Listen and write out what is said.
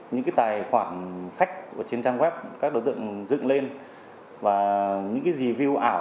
những tài khoản khách trên trang web các đối tượng dựng lên và những review ảo